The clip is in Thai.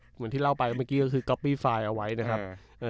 เหมือนที่เล่าไปเมื่อกี้ก็คือก๊อปปี้ไฟล์เอาไว้นะครับ